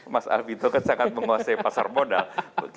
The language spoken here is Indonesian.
mas arvind taukat sangat menguasai pasar modal